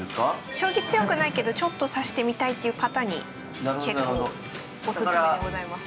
将棋強くないけどちょっと指してみたいっていう方に結構オススメでございます。